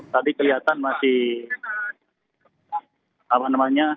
tadi kelihatan masih apa namanya